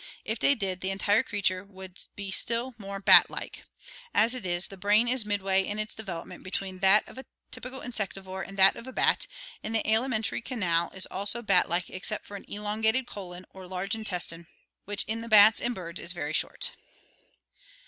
If they did the entire creature would be still more bat like. As it is, the brain is midway in its development between that of a typical insectivore and that of a bat, and the alimentary canal is 366 ORGANIC EVOLUTION also bat like except for an elongated colon or large intestine, which in the bats and birds is very short.